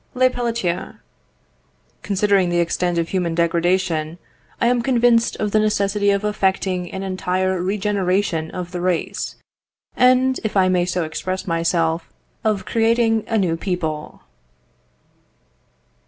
Lepelletier. "Considering the extent of human degradation, I am convinced of the necessity of effecting an entire regeneration of the race, and, if I may so express myself, of creating a new people."